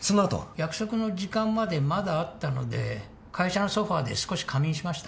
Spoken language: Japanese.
約束の時間までまだあったので会社のソファーで少し仮眠しました